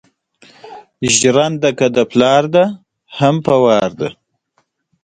هغه وايي، هڅه مه هېروئ.